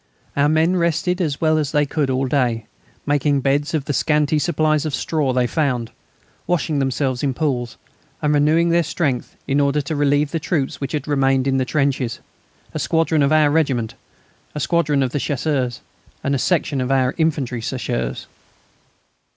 Our men rested as well as they could all day, making beds of the scanty supplies of straw they found, washing themselves in pools, and renewing their strength in order to relieve the troops which had remained in the trenches; a squadron of our regiment, a squadron of the Chasseurs, and a section of infantry Chasseurs.